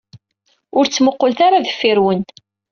Ur ttmuqqulet ara deffir-wen.